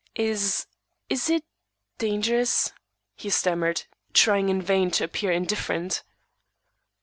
"Is is it dangerous?" he stammered, trying in vain to appear indifferent.